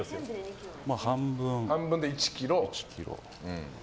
半分で１ｋｇ。